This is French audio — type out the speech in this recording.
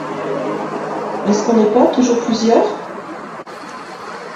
Est-ce qu’on n’est pas toujours plusieurs ?